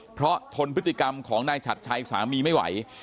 เพราะทนพฤติกรรมของนายฉัดชัยสามีไม่ไหว